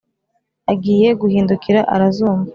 Agiye guhindukira arazumva